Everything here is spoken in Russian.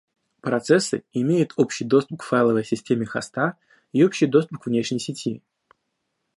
Процессы имеют общий доступ к файловой системе хоста и общий доступ к внешней сети